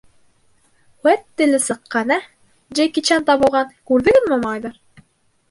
— Үәт, теле сыҡҡан, ә, Джеки Чан табылған, күрҙегеҙме, малайҙар?